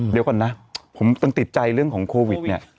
เดี๋ยวก่อนนะผมต้องติดใจเรื่องของโควิดเนี่ย